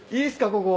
ここ。